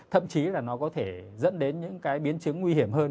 thậm chí là nó có thể dẫn đến những cái biến chứng nguy hiểm hơn